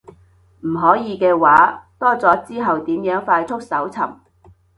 唔可以嘅話，多咗之後點樣快速搜尋